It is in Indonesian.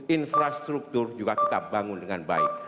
infrastruktur juga kita bangun dengan baik